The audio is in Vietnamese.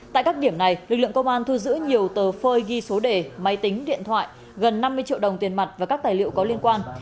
tại các điểm này lực lượng công an thu giữ nhiều tờ phơi ghi số đề máy tính điện thoại gần năm mươi triệu đồng tiền mặt và các tài liệu có liên quan